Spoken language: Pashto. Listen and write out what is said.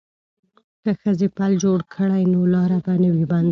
که ښځې پل جوړ کړي نو لاره به نه وي بنده.